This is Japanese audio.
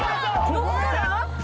どこから！？